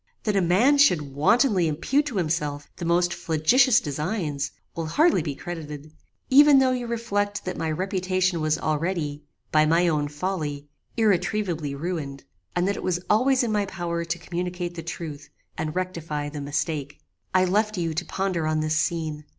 That a man should wantonly impute to himself the most flagitious designs, will hardly be credited, even though you reflect that my reputation was already, by my own folly, irretrievably ruined; and that it was always in my power to communicate the truth, and rectify the mistake. "I left you to ponder on this scene.